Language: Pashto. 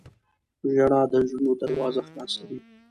• ژړا د زړونو دروازه خلاصوي.